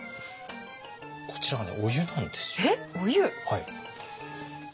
こちらがねお湯なんですよ。